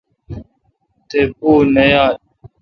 تہ پو نہ یال۔